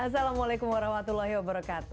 assalamualaikum wr wb